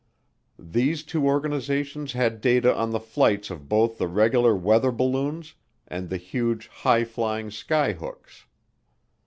These two organizations had data on the flights of both the regular weather balloons and the huge, high flying skyhooks.